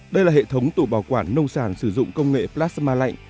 đây là hệ thống tủ bảo quản nông sản sử dụng công nghệ plasma lạnh